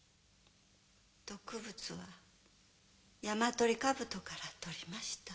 毒物はヤマトリカブトからとりました。